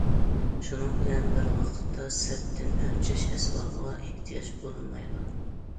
شۇنىڭ بىلەن بىر ۋاقىتتا سىرتتىن ئۆلچەش ئەسۋابىغا ئېھتىياج بولۇنمايدۇ.